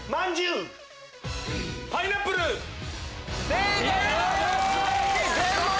正解！